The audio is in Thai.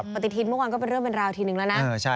ปฏิทินเมื่อวานก็เป็นเรื่องเป็นราวทีนึงแล้วนะ